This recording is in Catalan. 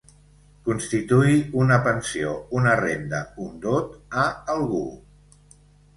Constituir una pensió, una renda, un dot, a algú.